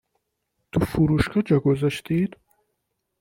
تو فروشگاه جا گذاشتید؟